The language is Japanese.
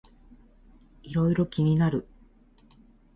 いろいろ気になる